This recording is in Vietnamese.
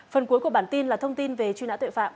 phần cuối của bản tin là thông tin về truy nã tội phạm